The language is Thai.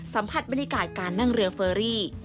สัมผัสบรรยากาศการนั่งเรือเฟอรี่